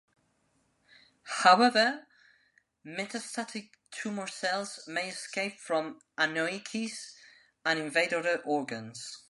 However, metastatic tumor cells may escape from anoikis and invade other organs.